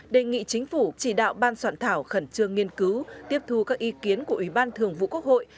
đề nghị chính phủ chỉ đạo ban soạn thảo khẩn trương nghiên cứu tiếp thu các ý kiến của ủy ban thường vụ quốc hội